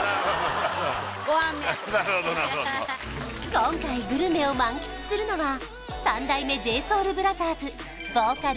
今回グルメを満喫するのは三代目ＪＳＯＵＬＢＲＯＴＨＥＲＳボーカル